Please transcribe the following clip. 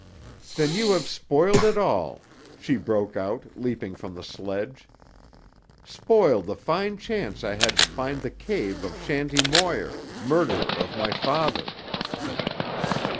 "Then you have spoiled it all," she broke out, leaping from the sledge. "Spoiled the fine chance I had to find the cave of Shanty Moir, murderer of my father."